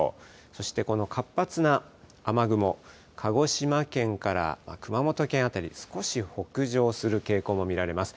そしてこの活発な雨雲、鹿児島県から熊本県辺り、少し北上する傾向も見られます。